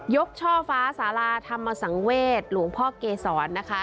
ช่อฟ้าสาราธรรมสังเวศหลวงพ่อเกษรนะคะ